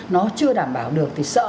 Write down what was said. nó chưa đảm bảo được thì sợ